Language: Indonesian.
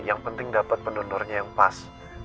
yang penting dapet penonornya yang pas